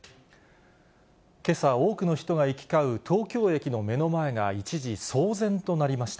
けさ、多くの人が行き交う東京駅の目の前が一時、騒然となりました。